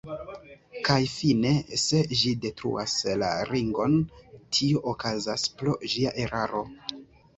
Kaj fine se ĝi detruas la Ringon, tio okazas pro ĝia eraro.